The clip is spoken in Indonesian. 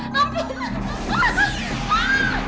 mas aku mau tidur